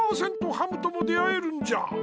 ハムとも出会えるんじゃ！